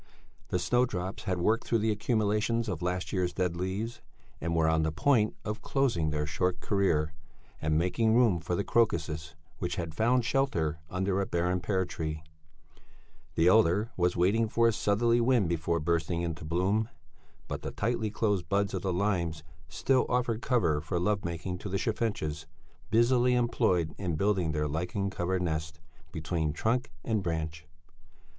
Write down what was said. The snowdrops had worked through the accumulations of last year's dead leaves, and were on the point of closing their short career and making room for the crocuses which had found shelter under a barren pear tree; the elder was waiting for a southerly wind before bursting into bloom, but the tightly closed buds of the limes still offered cover for love making to the chaffinches, busily employed in building their lichen covered nests between trunk and branch.